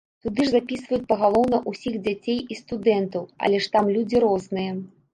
Туды ж запісваюць пагалоўна ўсіх дзяцей і студэнтаў, але ж там людзі розныя.